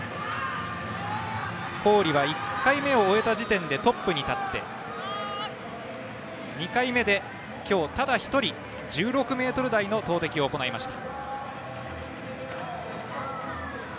郡は１回目を終えた時点でトップに立って２回目で今日ただ１人１６ｍ台の投てきを行いました。